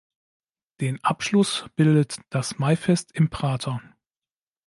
Den Abschluss bildet das Maifest im Prater.